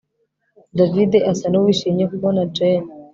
David asa nuwishimiye kubona Jane